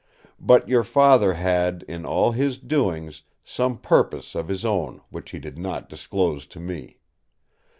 But your Father had, in all his doings, some purpose of his own which he did not disclose to me.